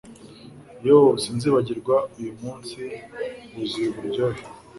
yoo! sinzibagirwa uyumunsi wuzuye uburyohe